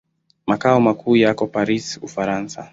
Makao makuu yako Paris, Ufaransa.